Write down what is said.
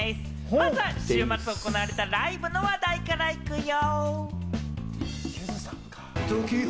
まずは週末行われたライブの話題から行くよ！